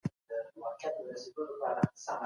دا یو ملي حرکت و چي د هیواد لپاره یې ګټي لرلي.